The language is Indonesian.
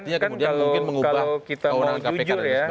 ya kan kalau kita mau jujur ya